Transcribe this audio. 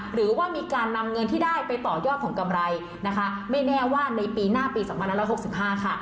หรือว่ามีการนำเงินที่ได้ไปต่อยอดของกำไรนะคะไม่แน่ว่าในปีหน้าปี๒๑๖๕ค่ะ